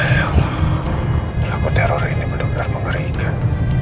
ya allah laku teror ini benar benar mengerikan